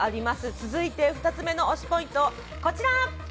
続いて、２つ目の推しポイント、こちら。